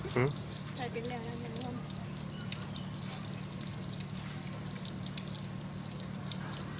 สุดท้ายสุดท้ายสุดท้าย